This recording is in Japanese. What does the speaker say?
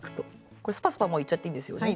これスパスパもういっちゃっていいんですよね？